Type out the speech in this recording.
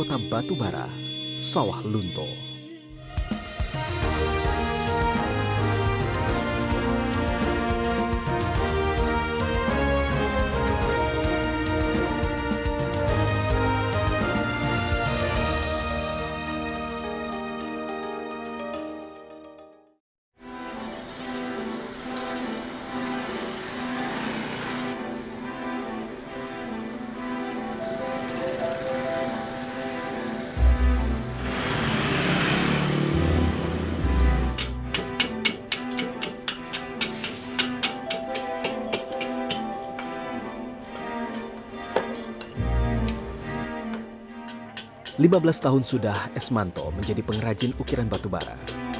lima belas tahun sudah esmanto menjadi pengrajin ukiran batubara